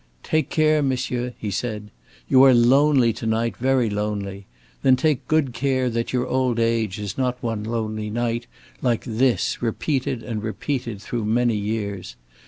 "Take care, monsieur," he said. "You are lonely to night very lonely. Then take good care that your old age is not one lonely night like this repeated and repeated through many years!